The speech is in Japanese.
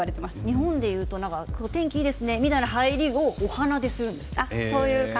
日本でいうとお天気いいですねという入りをお花でするんですね。